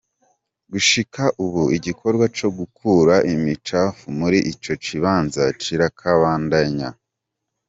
Gushika ubu igikorwa co gukura imicafu muri ico kibanza kiracabandanya.